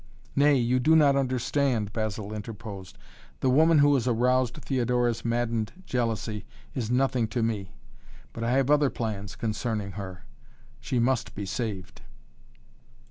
"Nay, you do not understand!" Basil interposed. "The woman who has aroused Theodora's maddened jealousy is nothing to me. But I have other plans concerning her she must be saved!"